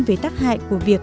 về tác hại của việc